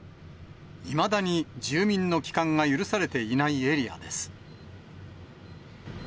いまだに住民の帰還が許されていないエリアです。